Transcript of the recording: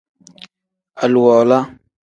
Aluwala.